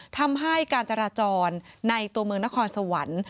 ทำให้การจราจรในตัวเมืองนครสวรรค์